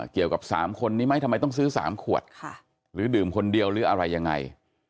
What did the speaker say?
เกี่ยวกับ๓คนนี้ไหมทำไมต้องซื้อ๓ขวดหรือดื่มคนเดียวหรืออะไรยังไง